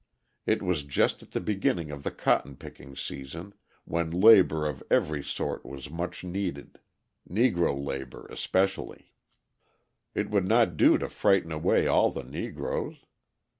It was just at the beginning of the cotton picking season, when labour of every sort was much needed, Negro labour especially. It would not do to frighten away all the Negroes.